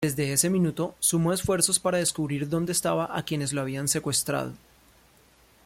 Desde ese minuto sumó esfuerzos para descubrir donde estaba y quienes lo habían secuestrado.